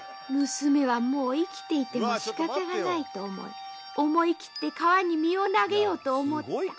［娘はもう生きていてもしかたがないと思い思い切って川に身を投げようと思った］